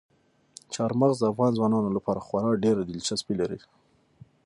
چار مغز د افغان ځوانانو لپاره خورا ډېره دلچسپي لري.